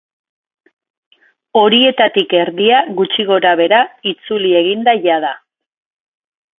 Horietatik erdia gutxi gorabehera itzuli egin da jada.